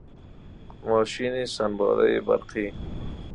ماشین سنباده برقی